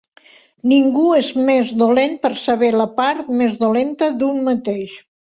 Ningú és més dolent per saber la part més dolenta d'un mateix.